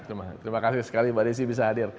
terima kasih sekali mbak desi bisa hadir